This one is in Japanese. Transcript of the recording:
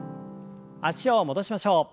脚を戻しましょう。